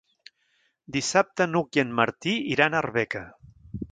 Dissabte n'Hug i en Martí iran a Arbeca.